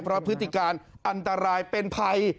เพราะพฤติการอันตรายเป็นภัย